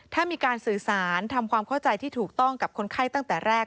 ถ้ามีการสื่อสารทำความเข้าใจที่ถูกต้องกับคนไข้ตั้งแต่แรก